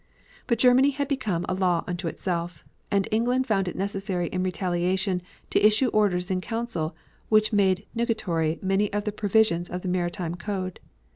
But Germany had become a law unto itself. And England found it necessary in retaliation to issue orders in council which made nugatory many of the provisions of the maritime code.